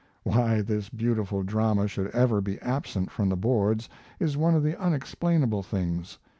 Why this beautiful drama should ever be absent from the boards is one of the unexplainable things.